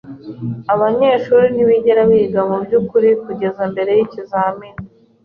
Abanyeshuri ntibigera biga mubyukuri kugeza mbere yikizamini.